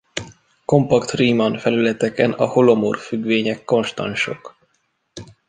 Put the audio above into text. Kompakt Riemann-felületeken a holomorf függvények konstansok.